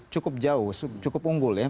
cukup jauh cukup unggul